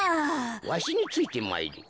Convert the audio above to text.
わしについてまいれ。